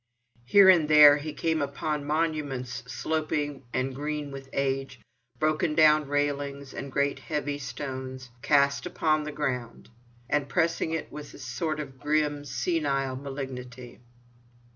Here and there he came upon monuments sloping and green with age, broken down railings, and great heavy stones cast upon the ground, and pressing it with a sort of grim senile malignity.